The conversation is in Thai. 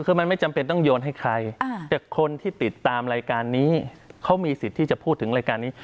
คือมันไม่จำเป็นต้องโยนให้ใครแต่คนที่ติดตามรายการนี้เขามีสิทธิ์ที่จะพูดถึงรายการนี้